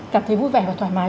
cảm thấy vui vẻ và thoải mái